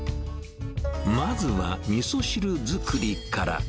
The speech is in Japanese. まずは、みそ汁作りから。